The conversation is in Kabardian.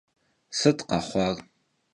Sıt khexhuar?